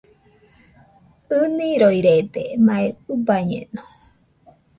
ɨniroirede, mai ɨbañeno